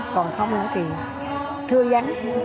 còn không nữa thì thưa dắn